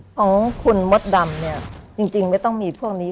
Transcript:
ของคุณมดดำเนี่ยจริงไม่ต้องมีพวกนี้